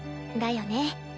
だよね。